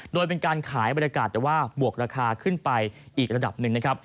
โดยเป็นการขายบรรยากาศแต่ว่าบวกราคาขึ้นไปอีกระดับหนึ่งนะครับ